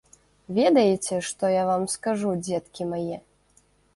Ведаеце, што я вам скажу, дзеткі мае?